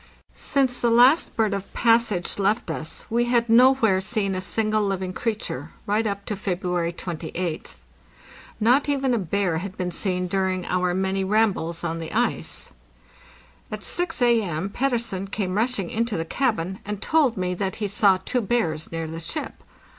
Since the last bird of passage left us we had nowhere seen a single living creature, right up to February 28th. Not evena bear had been seen during our many rambles on the ice. At 6 A.M. Pettersen came rushing into the cabin, and told me that he saw two bears near the ship.